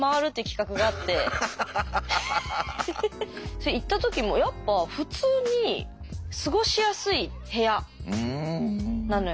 それ行った時もやっぱ普通に過ごしやすい部屋なのよ。